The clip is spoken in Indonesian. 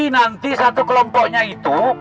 nanti satu kelompoknya itu